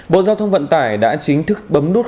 bộ giao thông vận tải đã chính thức bấm nút